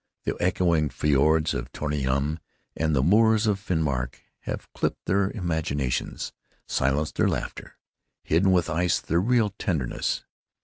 The echoing fjords of Trondhjem and the moors of Finmark have clipped their imaginations, silenced their laughter, hidden with ice their real tenderness.